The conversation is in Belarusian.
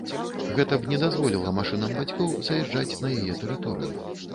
Гэта б не дазволіла машынам бацькоў заязджаць на яе тэрыторыю.